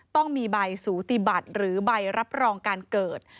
ต้องมีใบสูติบัติหรือใบรับรองการเกิด